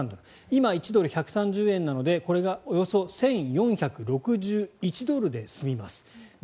今、１ドル＝１３０円なのでこれがおよそ１４６１ドルで済みます。